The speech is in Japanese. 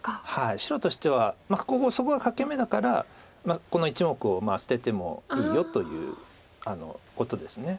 白としてはそこが欠け眼だからこの１目を捨ててもいいよということです。